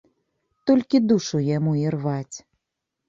Толькі душу яму ірваць.